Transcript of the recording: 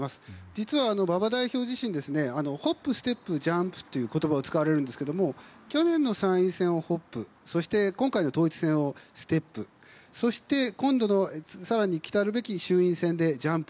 実は馬場代表自身ホップ、ステップ、ジャンプという言葉を使われるんですが去年の参院選はホップそして、今回の統一選をステップそして、今度の来るべき衆院選でジャンプ。